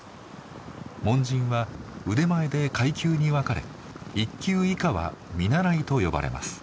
門人は腕前で階級に分かれ１級以下は見習いと呼ばれます。